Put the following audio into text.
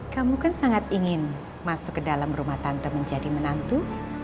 kamu kan sangat ingin masuk ke dalam rumah tante menjadi menantu